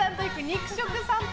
肉食さんぽ。